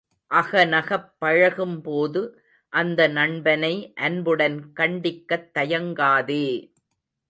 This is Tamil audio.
அகநகப் பழகும்போது, அந்த நண்பனை அன்புடன் கண்டிக்கத் தயங்காதே!